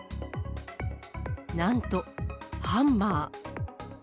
なんとハンマー。